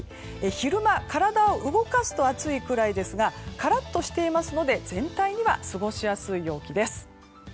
昼間、体を動かすと暑いくらいですがカラッとしていますので全体には過ごしやすい陽気です。